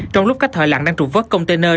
trong lúc các thợ lặng đang trụt vớt container